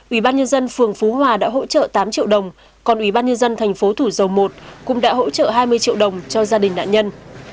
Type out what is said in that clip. ủy ban nhân dân phường phú hòa đã hỗ trợ tám triệu đồng còn ủy ban nhân dân thành phố thủ dầu một cũng đã hỗ trợ hai mươi triệu đồng cho gia đình nạn nhân